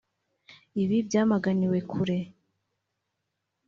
Ibi byamaganiwe kure